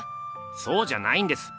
そうじゃないんです。